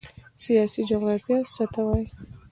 سیاسي جغرافیه څه ته وایي؟